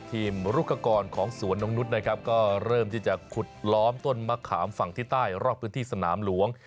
ลูกกรของสวนนกนุษย์นะครับก็เริ่มที่จะขุดล้อมต้นมะขามฝั่งที่ใต้รอบพื้นที่สนามหลวง